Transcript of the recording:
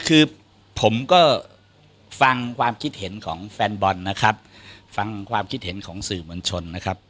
คือผมก็ฟังความคิดเห็นของแฟนบอลนะครับฟังความคิดเห็นของสื่อมวลชนนะครับ